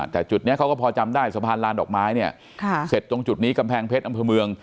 แต่จุดนี้เขาก็พอจำได้สะพานลานดอกไม้เนี่ยเสร็จตรงจุดนี้กำแพงเพชรอำเภอเมือง